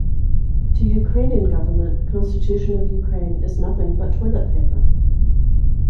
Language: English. To Ukrainian government, Constitution of Ukraine is nothing but toilet paper.